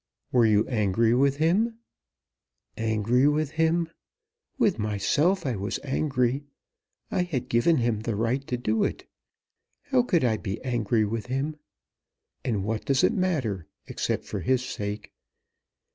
"Were you angry with him?" "Angry with him! With myself I was angry. I had given him the right to do it. How could I be angry with him? And what does it matter; except for his sake?